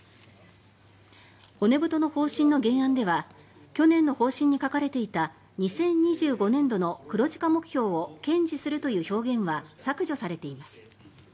骨太の方針の原案では去年の方針に書かれていた２０２５年度の黒字化目標を堅持するという表現は削除されています。